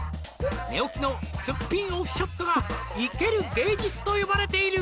「寝起きのすっぴんオフショットが」「生ける芸術と呼ばれている」